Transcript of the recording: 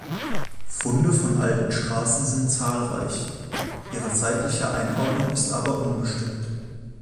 Funde von alten Straßen sind zahlreich, ihre zeitliche Einordnung ist aber unbestimmt.